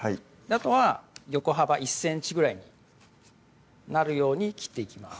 あとは横幅１ｃｍぐらいになるように切っていきます